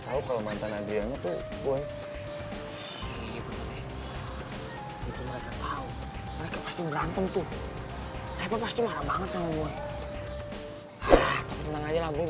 tahu kalau mantan adriannya tuh gue itu mereka tahu mereka pasti berantem tuh pasti marah banget